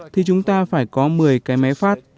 thì chúng ta phải có một mươi cái máy phát